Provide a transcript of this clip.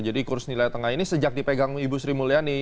jadi kurs nilai tengah ini sejak dipegang ibu sri mulyani